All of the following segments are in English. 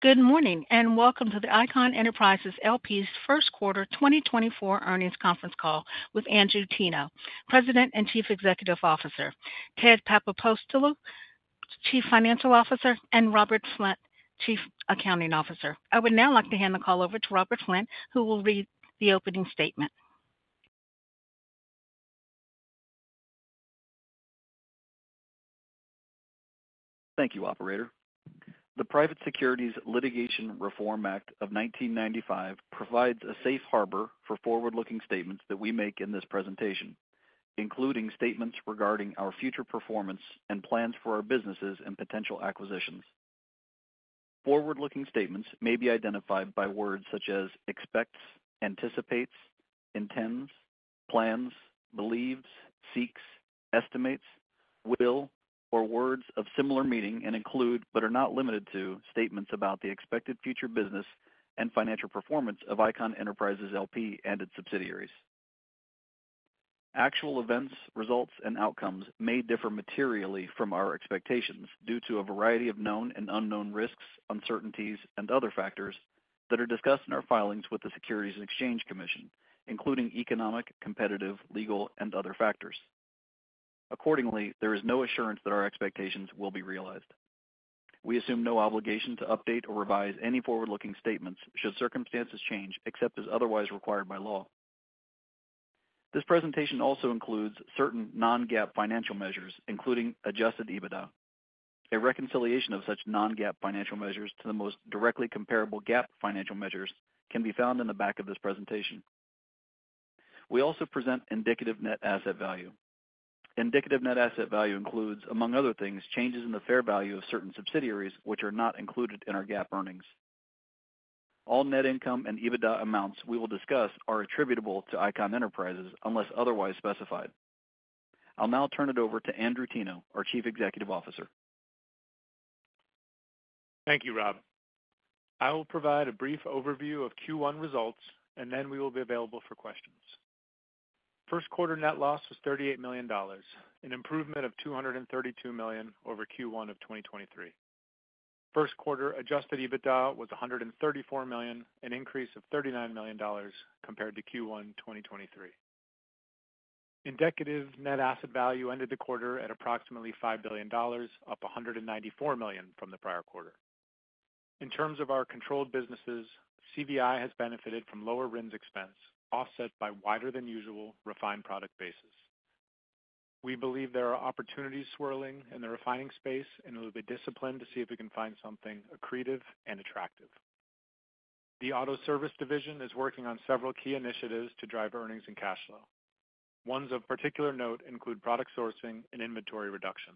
Good morning and welcome to the Icahn Enterprises L.P.'s first quarter 2024 earnings conference call with Andrew Teno, President and Chief Executive Officer; Ted Papapostolou, Chief Financial Officer; and Robert Flint, Chief Accounting Officer. I would now like to hand the call over to Robert Flint, who will read the opening statement. Thank you, Operator. The Private Securities Litigation Reform Act of 1995 provides a safe harbor for forward-looking statements that we make in this presentation, including statements regarding our future performance and plans for our businesses and potential acquisitions. Forward-looking statements may be identified by words such as expects, anticipates, intends, plans, believes, seeks, estimates, will, or words of similar meaning and include but are not limited to statements about the expected future business and financial performance of Icahn Enterprises LP and its subsidiaries. Actual events, results, and outcomes may differ materially from our expectations due to a variety of known and unknown risks, uncertainties, and other factors that are discussed in our filings with the Securities and Exchange Commission, including economic, competitive, legal, and other factors. Accordingly, there is no assurance that our expectations will be realized. We assume no obligation to update or revise any forward-looking statements should circumstances change except as otherwise required by law. This presentation also includes certain non-GAAP financial measures, including Adjusted EBITDA. A reconciliation of such non-GAAP financial measures to the most directly comparable GAAP financial measures can be found in the back of this presentation. We also present Indicative Net Asset Value. Indicative Net Asset Value includes, among other things, changes in the fair value of certain subsidiaries which are not included in our GAAP earnings. All net income and EBITDA amounts we will discuss are attributable to Icahn Enterprises unless otherwise specified. I'll now turn it over to Andrew Teno, our Chief Executive Officer. Thank you, Rob. I will provide a brief overview of Q1 results, and then we will be available for questions. First quarter net loss was $38 million, an improvement of $232 million over Q1 of 2023. First quarter Adjusted EBITDA was $134 million, an increase of $39 million compared to Q1 2023. Indicative Net Asset Value ended the quarter at approximately $5 billion, up $194 million from the prior quarter. In terms of our controlled businesses, CVI has benefited from lower RINs expense offset by wider-than-usual refined product basis. We believe there are opportunities swirling in the refining space, and we'll be disciplined to see if we can find something accretive and attractive. The auto service division is working on several key initiatives to drive earnings and cash flow. Ones of particular note include product sourcing and inventory reduction.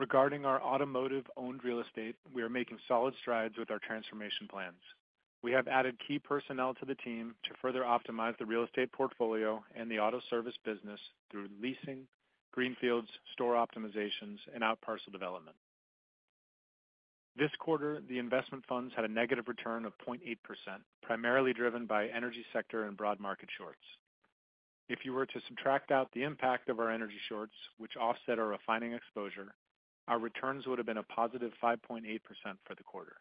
Regarding our automotive-owned real estate, we are making solid strides with our transformation plans. We have added key personnel to the team to further optimize the real estate portfolio and the auto service business through leasing, greenfields, store optimizations, and out-parcel development. This quarter, the investment funds had a negative return of 0.8%, primarily driven by energy sector and broad market shorts. If you were to subtract out the impact of our energy shorts, which offset our refining exposure, our returns would have been a positive 5.8% for the quarter.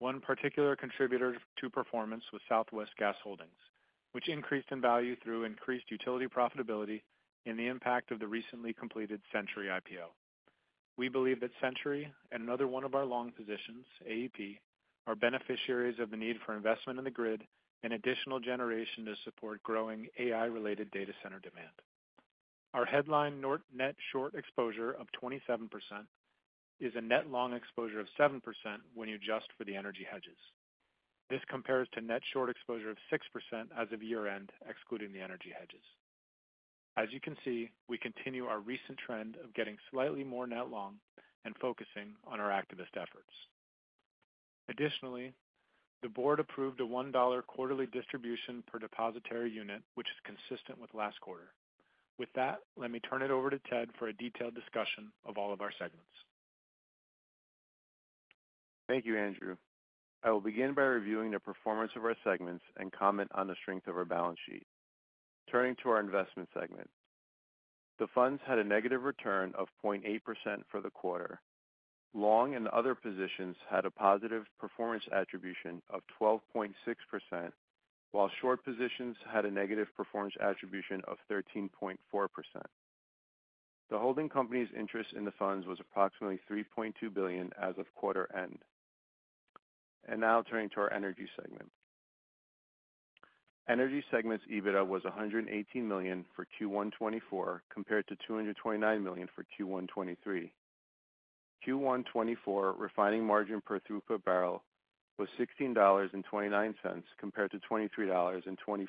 One particular contributor to performance was Southwest Gas Holdings, which increased in value through increased utility profitability and the impact of the recently completed Centuri IPO. We believe that Centuri and another one of our long positions, AEP, are beneficiaries of the need for investment in the grid and additional generation to support growing AI-related data center demand. Our headline net short exposure of 27% is a net long exposure of 7% when you adjust for the energy hedges. This compares to net short exposure of 6% as of year-end, excluding the energy hedges. As you can see, we continue our recent trend of getting slightly more net long and focusing on our activist efforts. Additionally, the board approved a $1 quarterly distribution per depositary unit, which is consistent with last quarter. With that, let me turn it over to Ted for a detailed discussion of all of our segments. Thank you, Andrew. I will begin by reviewing the performance of our segments and comment on the strength of our balance sheet. Turning to our investment segment. The funds had a negative return of 0.8% for the quarter. Long and other positions had a positive performance attribution of 12.6%, while short positions had a negative performance attribution of 13.4%. The holding company's interest in the funds was approximately $3.2 billion as of quarter-end. Now turning to our energy segment. Energy segment's EBITDA was $118 million for Q1 2024 compared to $229 million for Q1 2023. Q1 2024 refining margin per throughput barrel was $16.29 compared to $23.24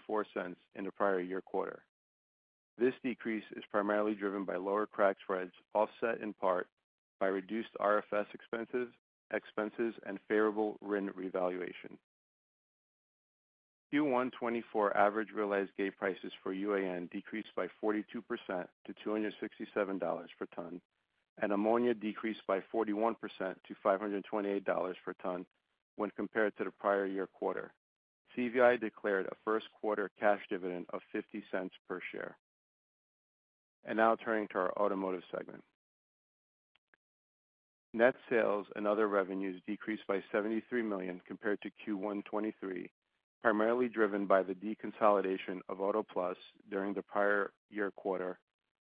in the prior year quarter. This decrease is primarily driven by lower crack spreads, offset in part by reduced RFS expenses and favorable RIN revaluation. Q1 2024 average realized gate prices for UAN decreased by 42% to $267 per ton, and ammonia decreased by 41% to $528 per ton when compared to the prior year quarter. CVI declared a first quarter cash dividend of $0.50 per share. Now turning to our automotive segment. Net sales and other revenues decreased by $73 million compared to Q1 2023, primarily driven by the deconsolidation of Auto Plus during the prior year quarter,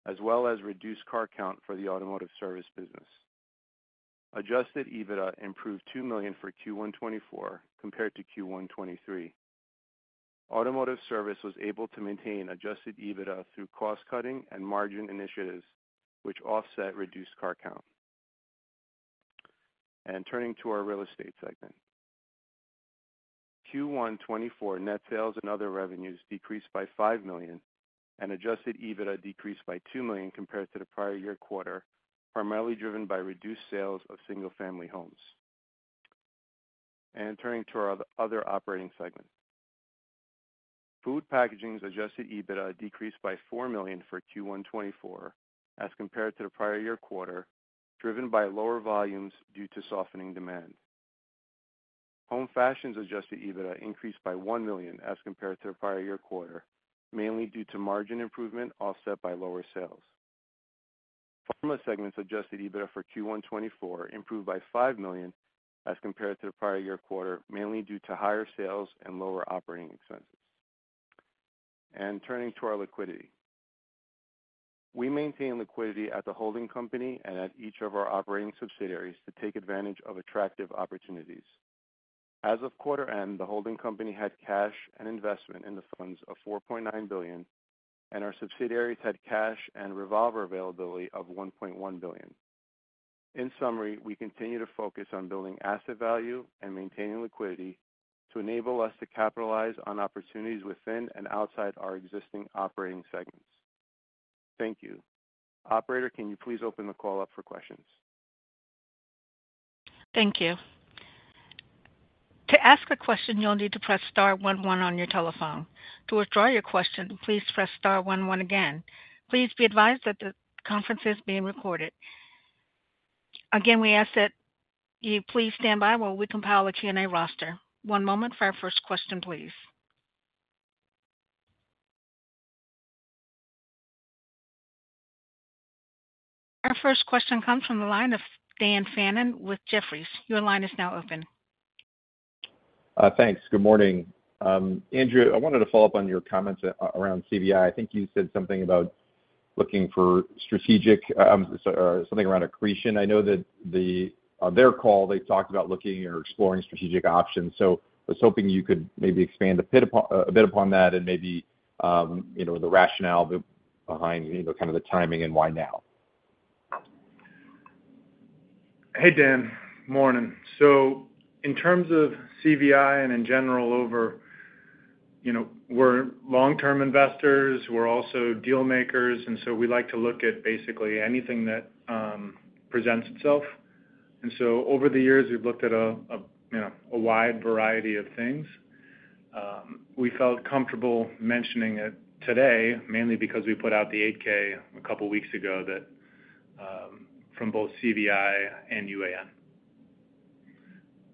as well as reduced car count for the automotive service business. Adjusted EBITDA improved $2 million for Q1 2024 compared to Q1 2023. Automotive service was able to maintain adjusted EBITDA through cost-cutting and margin initiatives, which offset reduced car count. Turning to our real estate segment. Q1 2024 net sales and other revenues decreased by $5 million, and Adjusted EBITDA decreased by $2 million compared to the prior year quarter, primarily driven by reduced sales of single-family homes. Turning to our other operating segment. Food packaging's Adjusted EBITDA decreased by $4 million for Q1 2024 as compared to the prior year quarter, driven by lower volumes due to softening demand. Home fashion's Adjusted EBITDA increased by $1 million as compared to the prior year quarter, mainly due to margin improvement offset by lower sales. Pharma segment's Adjusted EBITDA for Q1 2024 improved by $5 million as compared to the prior year quarter, mainly due to higher sales and lower operating expenses. Turning to our liquidity. We maintain liquidity at the holding company and at each of our operating subsidiaries to take advantage of attractive opportunities. As of quarter-end, the holding company had cash and investment in the funds of $4.9 billion, and our subsidiaries had cash and revolver availability of $1.1 billion. In summary, we continue to focus on building asset value and maintaining liquidity to enable us to capitalize on opportunities within and outside our existing operating segments. Thank you. Operator, can you please open the call up for questions? Thank you. To ask a question, you'll need to press star one one on your telephone. To withdraw your question, please press star one one again. Please be advised that the conference is being recorded. Again, we ask that you please stand by while we compile a Q&A roster. One moment for our first question, please. Our first question comes from the line of Dan Fannon with Jefferies. Your line is now open. Thanks. Good morning. Andrew, I wanted to follow up on your comments around CVI. I think you said something about looking for strategic something around accretion. I know that on their call, they talked about looking or exploring strategic options. So I was hoping you could maybe expand a bit upon that and maybe the rationale behind kind of the timing and why now? Hey, Dan. Morning. So in terms of CVI and in general, overall, we're long-term investors. We're also dealmakers, and so we like to look at basically anything that presents itself. And so over the years, we've looked at a wide variety of things. We felt comfortable mentioning it today, mainly because we put out the 8-K a couple of weeks ago from both CVI and UAN.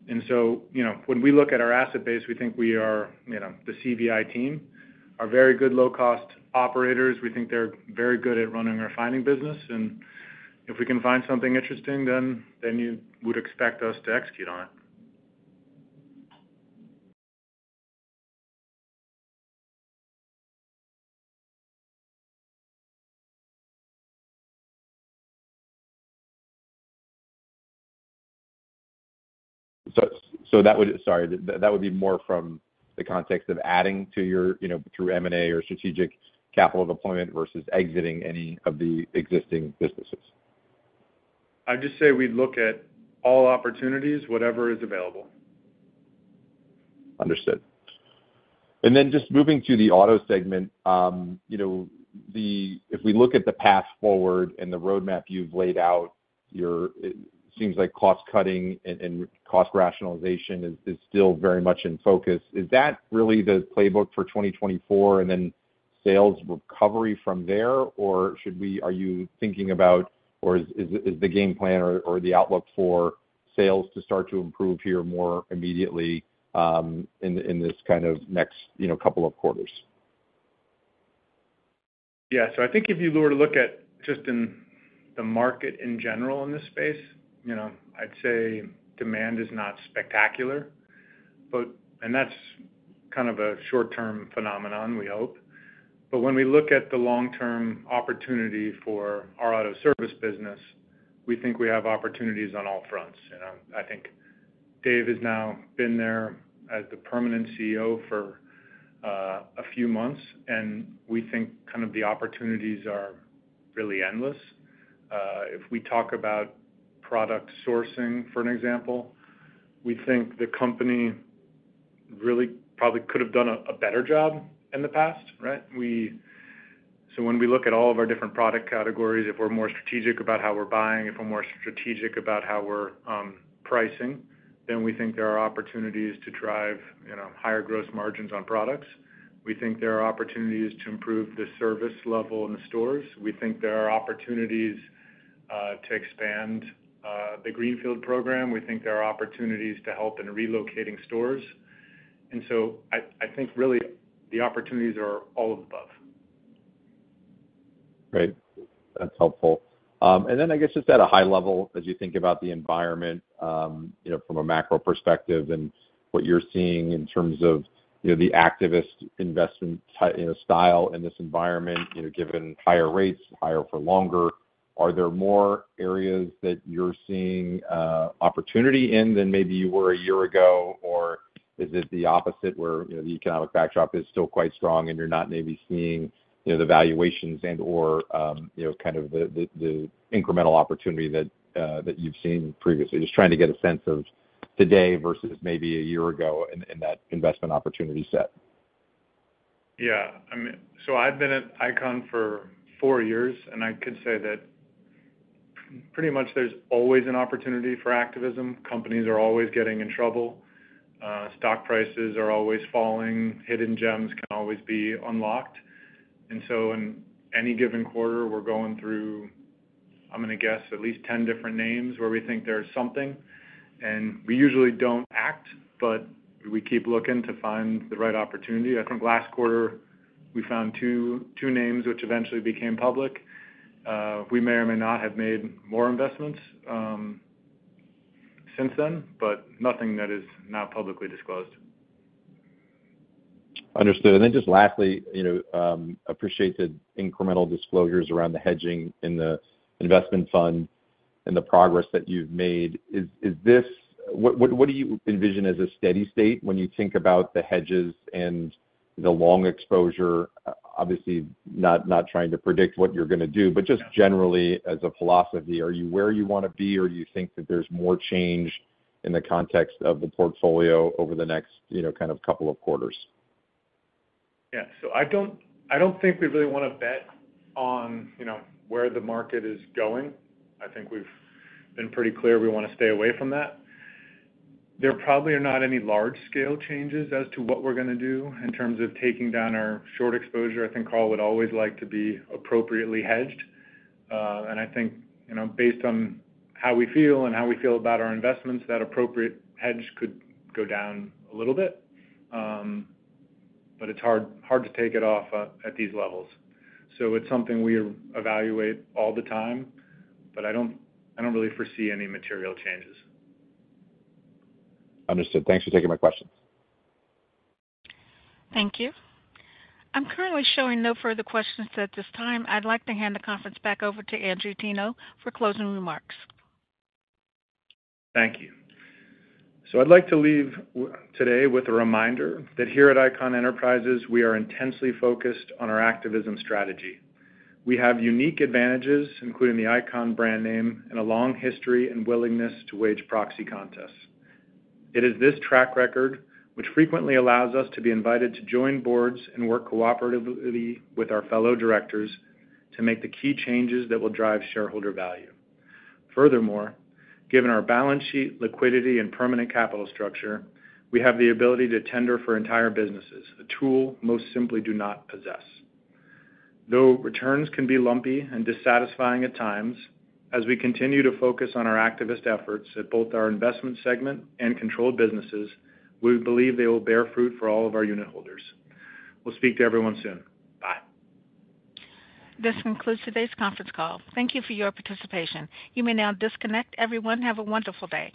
And so when we look at our asset base, we think the CVI team are very good low-cost operators, we think they're very good at running our refining business. And if we can find something interesting, then you would expect us to execute on it. So that would be more from the context of adding to your through M&A or strategic capital deployment versus exiting any of the existing businesses? I'd just say we'd look at all opportunities, whatever is available. Understood. And then just moving to the auto segment, if we look at the path forward and the roadmap you've laid out, it seems like cost-cutting and cost rationalization is still very much in focus. Is that really the playbook for 2024 and then sales recovery from there, or are you thinking about or is the game plan or the outlook for sales to start to improve here more immediately in this kind of next couple of quarters? Yeah. So I think if you were to look at just in the market in general in this space, I'd say demand is not spectacular, and that's kind of a short-term phenomenon, we hope. But when we look at the long-term opportunity for our auto service business, we think we have opportunities on all fronts. I think Dave has now been there as the permanent CEO for a few months, and we think kind of the opportunities are really endless. If we talk about product sourcing, for an example, we think the company really probably could have done a better job in the past, right? So when we look at all of our different product categories, if we're more strategic about how we're buying, if we're more strategic about how we're pricing, then we think there are opportunities to drive higher gross margins on products. We think there are opportunities to improve the service level in the stores. We think there are opportunities to expand the greenfield program. We think there are opportunities to help in relocating stores. And so I think really the opportunities are all of the above. Great. That's helpful. And then I guess just at a high level, as you think about the environment from a macro perspective and what you're seeing in terms of the activist investment style in this environment, given higher rates, higher for longer, are there more areas that you're seeing opportunity in than maybe you were a year ago, or is it the opposite where the economic backdrop is still quite strong and you're not maybe seeing the valuations and/or kind of the incremental opportunity that you've seen previously? Just trying to get a sense of today versus maybe a year ago in that investment opportunity set. Yeah. I mean, so I've been at Icahn for four years, and I could say that pretty much there's always an opportunity for activism. Companies are always getting in trouble. Stock prices are always falling. Hidden gems can always be unlocked. And so in any given quarter, we're going through, I'm going to guess, at least 10 different names where we think there's something. And we usually don't act, but we keep looking to find the right opportunity. I think last quarter, we found two names, which eventually became public. We may or may not have made more investments since then, but nothing that is not publicly disclosed. Understood. And then just lastly, appreciate the incremental disclosures around the hedging in the investment fund and the progress that you've made. What do you envision as a steady state when you think about the hedges and the long exposure? Obviously, not trying to predict what you're going to do, but just generally as a philosophy, are you where you want to be, or do you think that there's more change in the context of the portfolio over the next kind of couple of quarters? Yeah. So I don't think we really want to bet on where the market is going. I think we've been pretty clear we want to stay away from that. There probably are not any large-scale changes as to what we're going to do in terms of taking down our short exposure. I think Carl would always like to be appropriately hedged. And I think based on how we feel and how we feel about our investments, that appropriate hedge could go down a little bit. But it's hard to take it off at these levels. So it's something we evaluate all the time, but I don't really foresee any material changes. Understood. Thanks for taking my questions. Thank you. I'm currently showing no further questions at this time. I'd like to hand the conference back over to Andrew Teno for closing remarks. Thank you. I'd like to leave today with a reminder that here at Icahn Enterprises, we are intensely focused on our activism strategy. We have unique advantages, including the Icahn brand name and a long history and willingness to wage proxy contests. It is this track record which frequently allows us to be invited to join boards and work cooperatively with our fellow directors to make the key changes that will drive shareholder value. Furthermore, given our balance sheet, liquidity, and permanent capital structure, we have the ability to tender for entire businesses, a tool most simply do not possess. Though returns can be lumpy and dissatisfying at times, as we continue to focus on our activist efforts at both our investment segment and controlled businesses, we believe they will bear fruit for all of our unit holders. We'll speak to everyone soon. Bye. This concludes today's conference call. Thank you for your participation. You may now disconnect. Everyone, have a wonderful day.